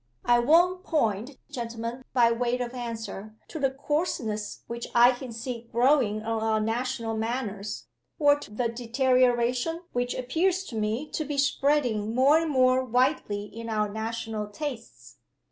I won't point, gentlemen, by way of answer, to the coarseness which I can see growing on our national manners, or to the deterioration which appears to me to be spreading more and more widely in our national tastes.